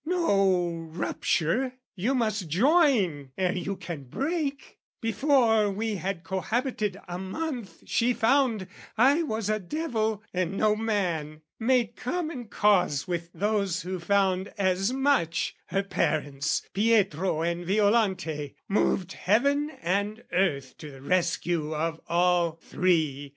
No rupture, you must join ere you can break, Before we had cohabited a month She found I was a devil and no man, Made common cause with those who found as much, Her parents, Pietro and Violante, moved Heaven and earth to the rescue of all three.